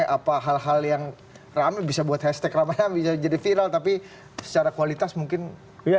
apa hal hal yang rame bisa buat hashtag ramadhan bisa jadi viral tapi secara kualitas mungkin ya